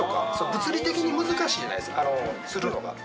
物理的に難しいじゃないですか吊るのが。